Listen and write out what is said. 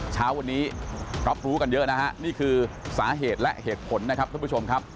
เช้าวันนี้รับรู้กันเยอะนะฮะนี่คือสาเหตุและเหตุผลนะครับท่านผู้ชมครับ